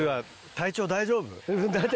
体調大丈夫。